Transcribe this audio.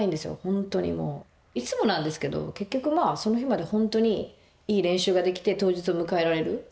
いつもなんですけど結局まあその日まで本当にいい練習ができて当日を迎えられる。